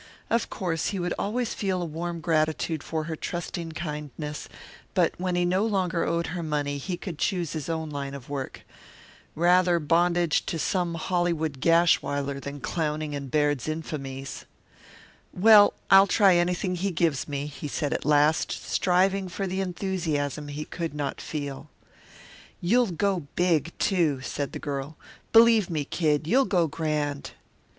Of course he would always feel a warm gratitude for her trusting kindness, but when he no longer owed her money he could choose his own line of work. Rather bondage to some Hollywood Gashwiler than clowning in Baird's infamies! "Well, I'll try anything he gives me," he said at last, striving for the enthusiasm he could not feel. "You'll go big, too," said the girl. "Believe, me Kid, you'll go grand."